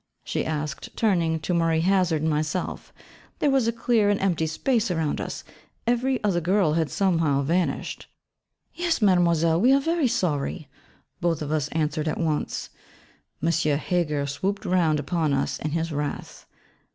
she asked, turning to Marie Hazard and myself: there was a clear and empty space around us every other girl had somehow vanished. 'Yes, Mademoiselle, we are very sorry,' both of us answered at once. M. Heger swooped round upon us in his wrath.